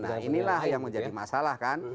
nah inilah yang menjadi masalah kan